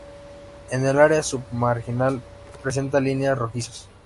En el área submarginal presenta líneas rojizas.